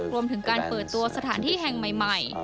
รวมถึงการเปิดตัวสถานที่แห่งใหม่